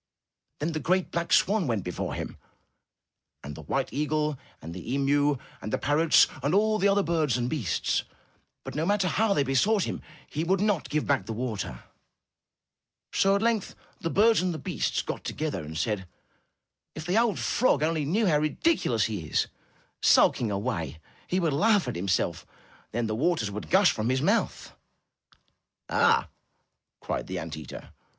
Then the great, black swan went before him, and the white eagle, and the emu, and the parrots, and all the other birds and beasts. But, no matter how they besought him, he would not give back the water. 114 UP ONE PAIR OF STAIRS So at length the birds and the beasts got together and said: If the old frog only knew how ridiculous he is, sulking away, he would laugh at himself, and then the waters would gush from his mouth." Ah!*' cried the ant eater.